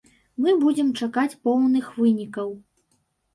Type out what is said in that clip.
Мы будзем чакаць поўных вынікаў.